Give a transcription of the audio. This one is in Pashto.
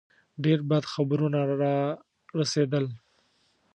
ډېر بد خبرونه را رسېدل.